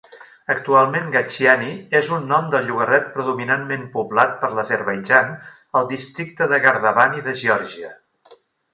Actualment, Gachiani és un nom del llogaret predominantment poblat per l'Azerbaidjan al districte de Gardabani de Geòrgia.